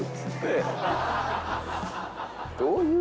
どういう？